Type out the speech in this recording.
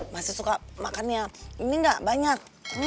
masih suka makannya ini nggak banyak